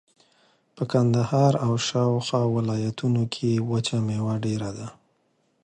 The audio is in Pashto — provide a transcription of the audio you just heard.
په کندهار او شاوخوا ولایتونو کښې وچه مېوه ډېره ده.